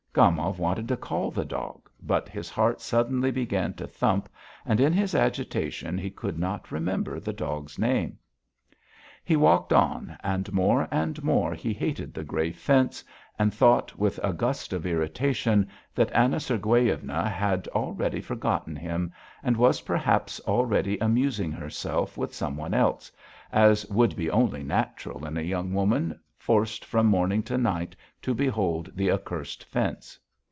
Gomov wanted to call the dog, but his heart suddenly began to thump and in his agitation he could not remember the dog's name. He walked on, and more and more he hated the grey fence and thought with a gust of irritation that Anna Sergueyevna had already forgotten him, and was perhaps already amusing herself with some one else, as would be only natural in a young woman forced from morning to night to behold the accursed fence.